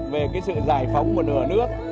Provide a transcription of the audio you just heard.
về cái sự giải phóng của nửa nước